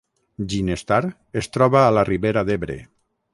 Ginestar es troba a la Ribera d’Ebre